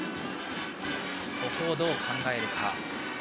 ここをどう考えるか。